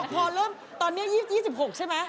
พอเริ่มตอนนี้๒๖ใช่ไหม